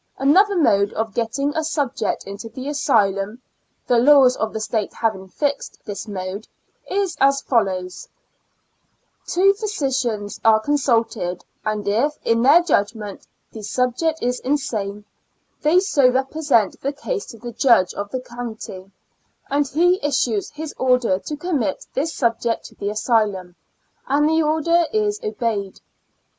Another mode of getting a subject into the asylum — the laws of the State having fixed this mode — is as follows : Two 28 ^TTo Years and Four Months physicians are consulted, and if in their judgment the subject is insane, they so represent the case to the judge of the county, and he issues his order to commit this subject to the asylum, and the order is obeyed.